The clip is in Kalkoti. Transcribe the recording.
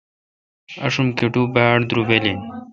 آشوم کٹو باڑدروبل این۔